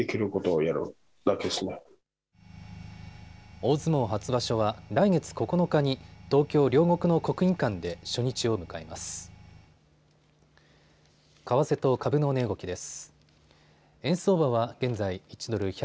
大相撲初場所は来月９日に東京両国の国技館で初日を迎えます。